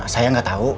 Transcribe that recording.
saya gak tau